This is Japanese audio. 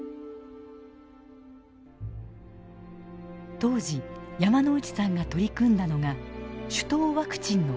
当時山内さんが取り組んだのが種痘ワクチンの改良です。